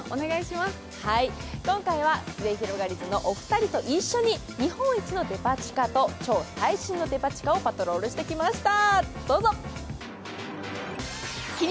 今回はすゑひろがりずのお二人と一緒に日本一のデパ地下と日本一のデパ地下をパトロールしてきました。